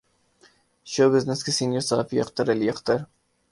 شو business کے senior صحافی اختر علی اختر